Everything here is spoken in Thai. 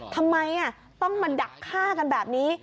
ทำไมต้องมาดักฆ่ากันแบบนี้